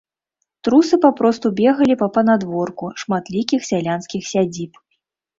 Трусы папросту бегалі па панадворку шматлікіх сялянскіх сядзіб.